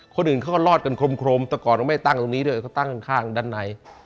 คนอื่นเขาก็รอดกันคลมแต่ก่อนเราไม่ตั้งตรงนี้ด้วยเขาตั้งข้างด้านใน